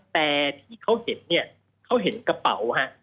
แต่ที่เขาเห็นเนี่ยเขาเห็นกระเป๋าฮะ